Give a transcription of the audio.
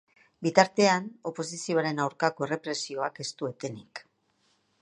Bitartean, oposizioaren aurkako errepresioak ez du etenik.